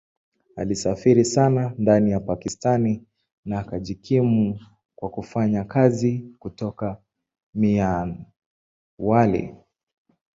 Alisafiri sana ndani ya Pakistan na akajikimu kwa kufanya kazi kutoka Mianwali.